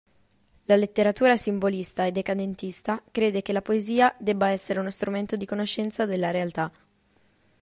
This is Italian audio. La letteratura simbolista e decadentista crede che la poesia debba essere uno strumento di conoscenza della realtà.